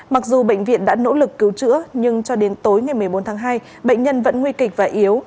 mặc dù bệnh viện đã nỗ lực cứu chữa nhưng cho đến tối ngày một mươi bốn tháng hai bệnh nhân vẫn nguy kịch và yếu